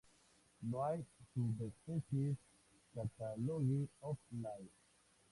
No hay subespecies Catalogue of Life.